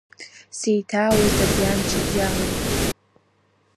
Сеиҭаауеит абри амчабжь ала.